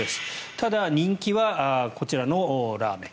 ただ人気はこちらのラーメン。